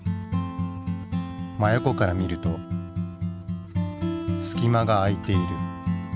真横から見るとすき間が空いている。